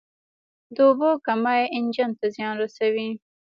د اوبو کمی انجن ته زیان رسوي.